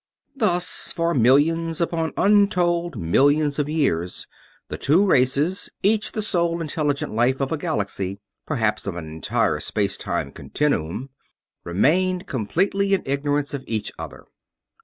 Thus for millions upon untold millions of years the two races, each the sole intelligent life of a galaxy, perhaps of an entire space time continuum, remained completely in ignorance of each other.